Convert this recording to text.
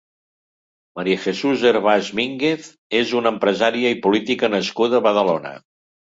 María Jesús Hervás Mínguez és una empresària i política nascuda a Badalona.